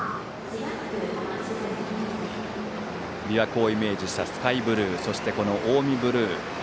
琵琶湖をイメージしたスカイブルーそして、近江ブルー。